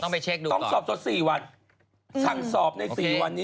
ต้องตรวจสัด๔วัน